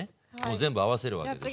全部合わせるわけでしょ。